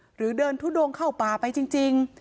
หรือเดินทุดงเข้าป่าไปจริง